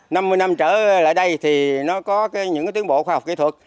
năm mươi năm trở lại đây thì nó có những tiến bộ khoa học kỹ thuật